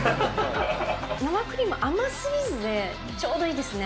生クリーム、甘すぎずで、ちょうどいいですね。